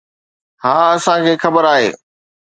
ها اسان کي خبر آهي.